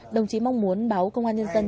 đồng chí mong muốn báo công an nhân dân